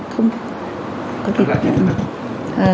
không có kiểm soát được